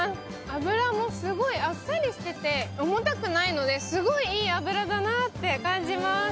脂もすごいあっさりしてて重たくないので、すごいいい脂だなって感じます。